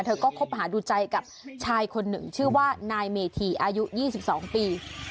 เธอก็คบหาดูใจกับชายคนหนึ่งชื่อว่านายเมธีอายุ๒๒ปี